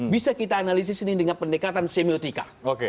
bisa kita analisis ini dengan pendekatan semiotika